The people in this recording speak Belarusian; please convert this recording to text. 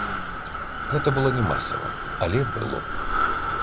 Гэта было не масава, але было.